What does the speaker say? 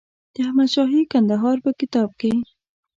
د احمدشاهي کندهار په کتاب کې.